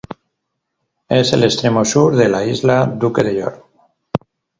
Es el extremo sur de la isla Duque de York.